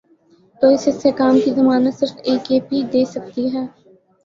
تو اس استحکام کی ضمانت صرف اے کے پی دے سکتی ہے۔